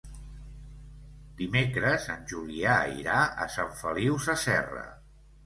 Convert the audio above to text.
Dimecres en Julià irà a Sant Feliu Sasserra.